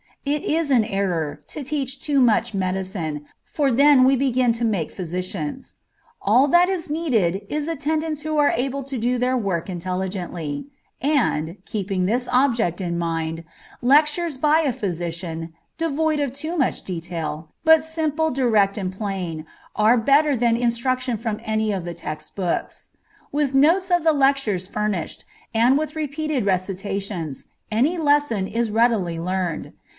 It is an error to teach too much medicine, for then we begin to make physicians. All that is needed is attendants who are able to do their work intelligently, and, keeping this object in mind, lectures by a physician, devoid of too much detail, but simple, direct, and plain, are better than instruction from any of the text books. With notes of the lectures furnished, and with repeated recitations, any lesson is readily learned.